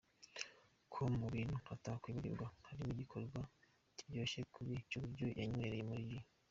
com ko mu bintu atakwibagirwa harimo igikoma kiryoshye kubi cy’uburo yanywereye muri G.